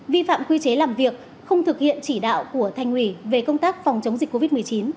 vi phạm quy chế làm việc không thực hiện chỉ đạo của thành ủy về công tác phòng chống dịch covid một mươi chín